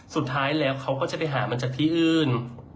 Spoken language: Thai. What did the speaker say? สุดท้ายแล้วเขาก็จะไปหามาจากที่อื่น